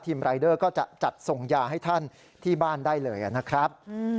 รายเดอร์ก็จะจัดส่งยาให้ท่านที่บ้านได้เลยนะครับ